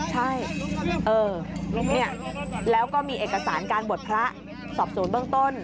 ใช่เออเนี่ยแล้วก็มีเอกสารการบดพระสอบสูญเบื้องต้น